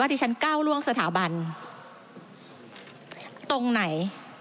ที่ฉันก้าวล่วงสถาบันตรงไหน